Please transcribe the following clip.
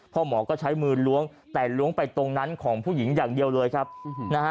หมอก็ใช้มือล้วงแต่ล้วงไปตรงนั้นของผู้หญิงอย่างเดียวเลยครับนะฮะ